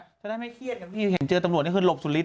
เพราะฉะนั้นไม่เครียดอย่างที่เห็นเจอตำรวจนี่คือหลบสุริทธิ์